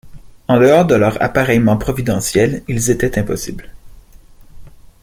En dehors de leur appareillement providentiel, ils étaient impossibles.